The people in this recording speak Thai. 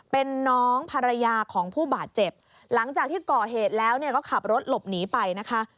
เป็นน้องภรรยาของผู้บาดเจ็บหลังจากที่ก่อเหตุแล้วเนี่ยก็ขับรถหลบหนีไปนะคะ